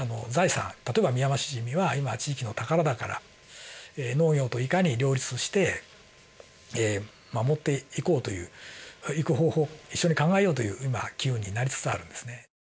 例えばミヤマシジミは今地域の宝だから農業といかに両立をして守っていこうといういく方法を一緒に考えようという今機運になりつつあるんですね。